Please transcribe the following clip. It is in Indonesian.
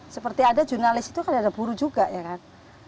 seperti ada jurnalis itu kan ada guru juga ya kan